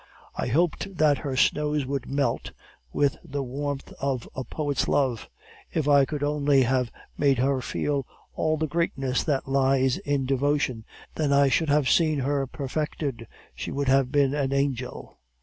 I hoped that her snows would melt with the warmth of a poet's love. If I could only have made her feel all the greatness that lies in devotion, then I should have seen her perfected, she would have been an angel.